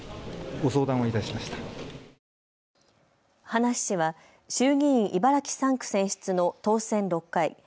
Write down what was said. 葉梨氏は衆議院茨城３区選出の当選６回。